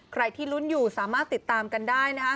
ใครที่ลุ้นอยู่สามารถติดตามกันได้นะฮะ